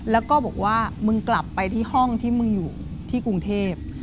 แล้วก็บอกว่ามึงกลับไปที่ห้องที่มึงอยู่ที่กรุงเทพ